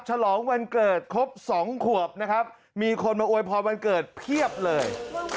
ฉลองวันเกิดครบสองขวบนะครับมีคนมาอวยพรวันเกิดเพียบเลย